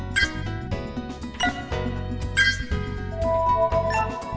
b truyền hình công an nhân dân